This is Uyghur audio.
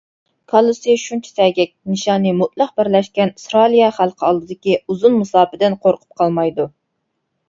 كاللىسى شۇنچە سەگەك، نىشانى مۇتلەق بىرلەشكەن ئىسرائىلىيە خەلقى ئالدىدىكى ئۇزۇن مۇساپىدىن قورقۇپ قالمايدۇ.